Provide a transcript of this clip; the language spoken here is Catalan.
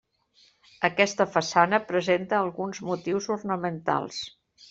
Aquesta façana presenta alguns motius ornamentals.